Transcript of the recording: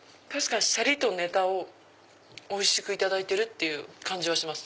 シャリとネタをおいしくいただいてる感じはします。